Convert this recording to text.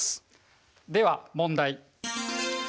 では問題。